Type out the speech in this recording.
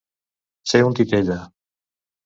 Ser un titella.